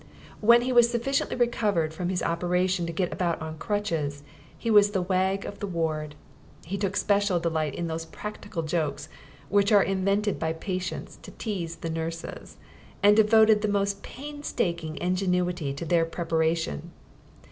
When he was sufficiently recovered from his operation to get about on crutches he was the wag of the ward. He took a special delight in those practical jokes which are invented by patients to tease the nurses, and devoted the most painstaking ingenuity to their preparation.